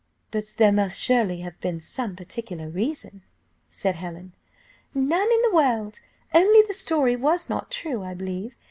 "But there must surely have been some particular reason," said Helen. "None in the world, only the story was not true, I believe.